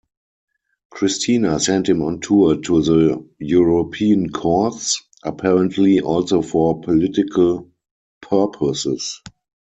Christina sent him on tour to the European courts, apparently also for political purposes.